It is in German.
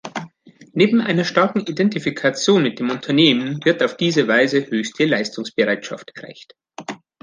Neben einer starken Identifikation mit dem Unternehmen wird auf diese Weise höchste Leistungsbereitschaft erreicht.